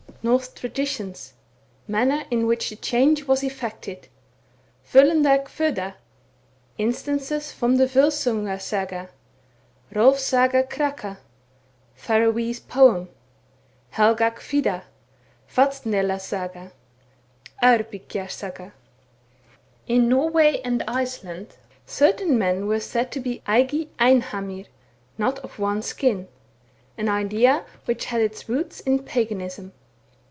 Norse Traditions — ^Manner in which the Change was effected — Voilun dar Kvoeda — Instances from the Volsunga Saga — Hrolfs Saga Kraka — Faroese Poem — Helga Evida — Vatnsdsla Saga — Eyr ^yggja Saga. In Norway and Iceland certain men were said to be eigi einhamir, not of one skin, an idea which had its roots in paganism.